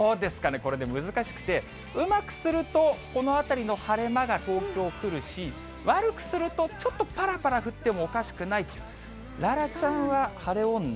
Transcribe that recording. これ、難しくて、うまくすると、この辺りの晴れ間が東京来るし、悪くすると、ちょっとぱらぱら降ってもおかしくないと、楽々ちゃんは、晴れ女？